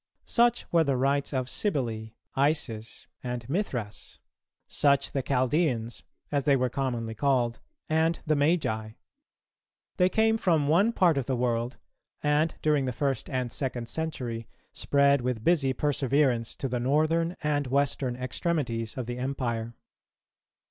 Such were the rites of Cybele, Isis, and Mithras; such the Chaldeans, as they were commonly called, and the Magi; they came from one part of the world, and during the first and second century spread with busy perseverance to the northern and western extremities of the empire.